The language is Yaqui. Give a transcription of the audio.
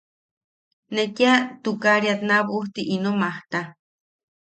Ne kia tukariat naabujti ino majta.